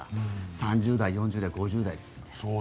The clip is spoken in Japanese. ３０代、４０代、５０代です。